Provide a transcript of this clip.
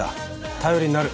頼りになる！